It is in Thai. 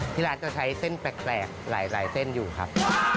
ที่ร้านจะใช้เส้นแปลกหลายเส้นอยู่ครับ